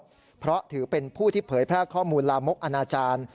เพราะถือเป็นผู้ที่เผยแพร่ข้อมูลลามกอนาจารย์